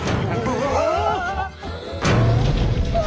うわ！